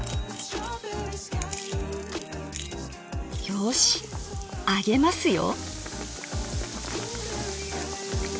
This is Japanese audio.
よし揚げますよ。